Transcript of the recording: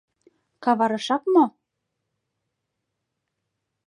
— Каварышак мо?»